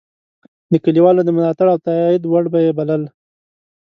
د کلیوالو د ملاتړ او تایید وړ به یې بلل.